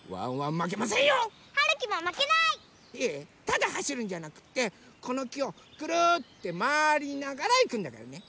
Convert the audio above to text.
ただはしるんじゃなくってこのきをくるってまわりながらいくんだからね。